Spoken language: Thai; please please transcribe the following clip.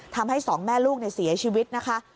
ทำให้สองแม่ลูกเสียชีวิตนะคะ